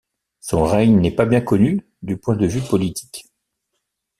Son règne n'est pas bien connu du point de vue politique.